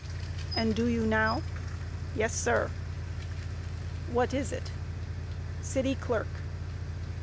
Q. And do you now? A. Yes, sir. Q. What is it? A. City Clerk.